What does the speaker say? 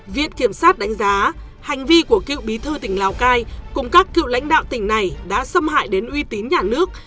viện kiểm sát đánh giá hành vi của cựu bí thư tỉnh lào cai cùng các cựu lãnh đạo tỉnh này đã xâm hại đến uy tín nhà nước